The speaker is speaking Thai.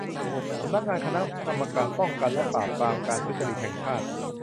สำนักงานคณะกรรมการป้องกันและปราบปรามการทุจริตแห่งชาติ